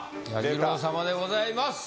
彌十郎様でございます